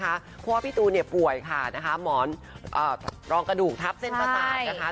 เพราะว่าพี่ตูนป่วยหมอนรองกระดูกทับเส้นประสาน